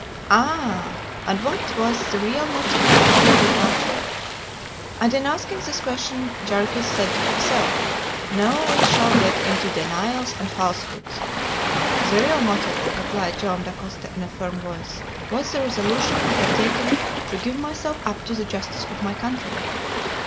"Ah! and what was the real motive of your departure?" And in asking this question Jarriquez said to himself: "Now we shall get into denials and falsehoods." "The real motive," replied Joam Dacosta, in a firm voice, "was the resolution I had taken to give myself up to the justice of my country."